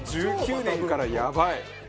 ２０１９年からやばい。